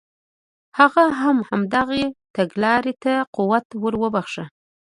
هغه هم همدغې تګلارې ته قوت ور وبخښه.